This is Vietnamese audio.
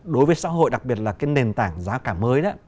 đối với xã hội đặc biệt là cái nền tảng giá cả mới đó